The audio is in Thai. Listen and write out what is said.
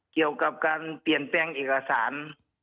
เกี่ยวกับการเปลี่ยนแปลงเอกสาร